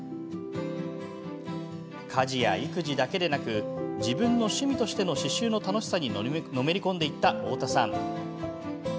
家事や育児だけでなく自分の趣味としての刺しゅうの楽しさにのめり込んでいった太田さん。